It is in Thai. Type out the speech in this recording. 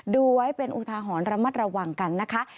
ดูไว้เป็นอุทาหรณ์ระมัดระวังกันนะคะ